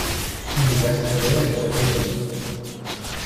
Tous les artilleurs étaient réunis.